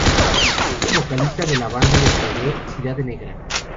Es el vocalista de la banda de reggae Cidade Negra.